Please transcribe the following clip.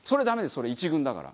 それ１軍だから。